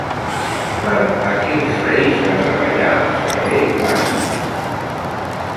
Per a quins reis va treballar Ferrer Bassa?